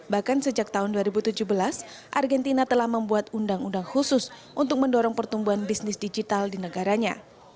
bahkan sejak tahun dua ribu tujuh belas argentina telah membuat undang undang khusus untuk mendorong pertumbuhan bisnis digital di negaranya